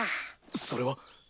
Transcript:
それは？